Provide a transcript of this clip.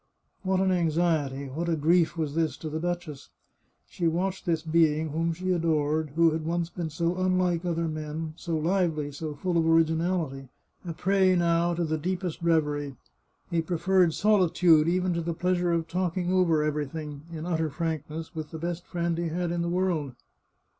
What an anxiety, what a grief was this to the duchess ! She watched this being whom she adored, who had once been so unlike other men, so lively, so full of originality, a prey now to the deepest reverie. He preferred solitude even to the pleasure of talking over everything, in utter frankness, with the best friend he had in the world.